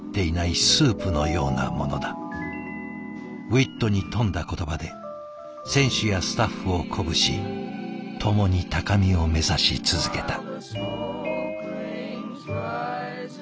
ウイットに富んだ言葉で選手やスタッフを鼓舞し共に高みを目指し続けた。